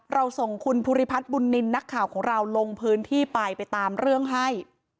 ส่งคุณภูริพัฒน์บุญนินทร์นักข่าวของเราลงพื้นที่ไปไปตามเรื่องให้